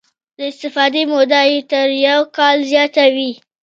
د استفادې موده یې تر یو کال زیاته وي.